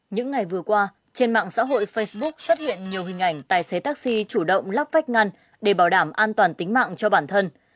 những ngày vừa qua trên mạng xã hội facebook xuất hiện nhiều hình ảnh tài xế taxi chủ động lắp vách ngăn để bảo đảm an toàn tính mạng cho bản thân